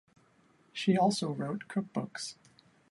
She also wrote cookbooks.